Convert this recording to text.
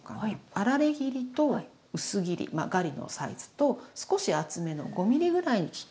あられ切りと薄切りまあガリのサイズと少し厚めの５ｍｍぐらいに切ったものを。